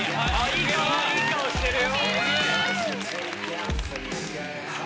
いい顔してるよ。